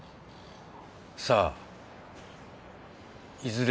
さあいずれ